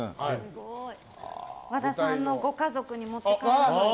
和田さんのご家族に持って帰らないと。